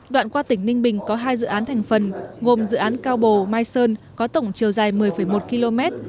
đoạn qua tỉnh ninh bình có hai dự án thành phần gồm dự án cao bồ mai sơn có tổng chiều dài một mươi một km